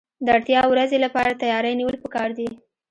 د اړتیا ورځې لپاره تیاری نیول پکار دي.